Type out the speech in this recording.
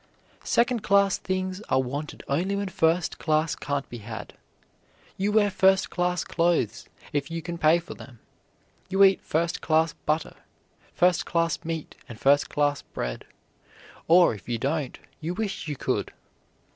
Second class things are wanted only when first class can't be had. You wear first class clothes if you can pay for them, eat first class butter, first class meat, and first class bread, or, if you don't, you wish you could.